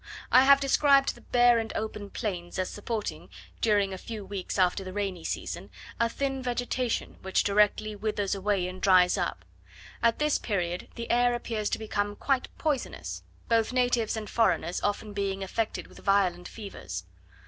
I have described the bare and open plains as supporting, during a few weeks after the rainy season, a thin vegetation, which directly withers away and dries up: at this period the air appears to become quite poisonous; both natives and foreigners often being affected with violent fevers.